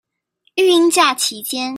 育嬰假期間